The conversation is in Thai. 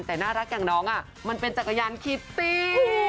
แต่น่ารักอย่างน้องมันเป็นจักรยานคิตตี้